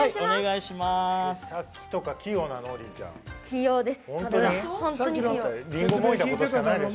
器用です。